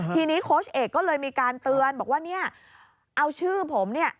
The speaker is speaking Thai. ทีนี้โค้ชเอกก็เลยมีการเตือนบอกว่าเอาชื่อผม